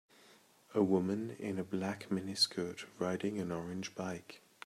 A woman in a black miniskirt riding an orange bike.